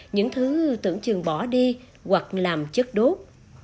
những thứ tưởng chừng bỏ đi hoặc làm chất đốt